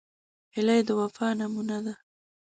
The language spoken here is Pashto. هیلۍ د وفا نمونه ده